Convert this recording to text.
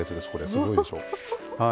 すごいでしょ。